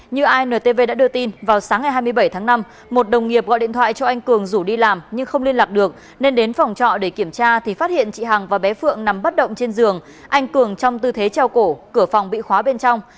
như intv đã đưa tin vào sáng ngày hai mươi bảy tháng năm một đồng nghiệp gọi điện thoại cho anh cường rủ đi làm nhưng không liên lạc được nên đến phòng trọ để kiểm tra thì phát hiện chị hằng và bé phượng nằm bất động trên giường anh cường trong tư thế treo cổ cửa phòng bị khóa bên trong